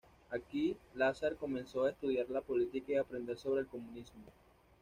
Aquí, Lazar comenzó a estudiar la política y aprender sobre el comunismo.